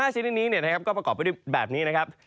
๕ชนนี้ก็ประกอบไปได้แบบนี้